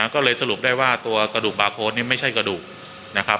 ก็เลยสรุปได้ว่าตัวกระดูกบาร์โค้ดนี่ไม่ใช่กระดูกนะครับ